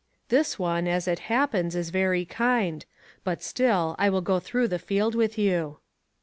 This one, as it happens, is very kind; but still, I will go through the field with you."